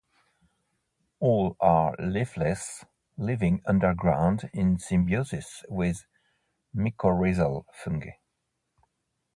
All are leafless, living underground in symbiosis with mycorrhizal fungi.